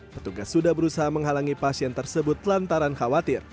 petugas sudah berusaha menghalangi pasien tersebut lantaran khawatir